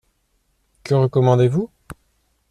Que recommandez-vous ?